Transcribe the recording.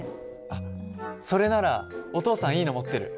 あっそれならお父さんいいの持ってる。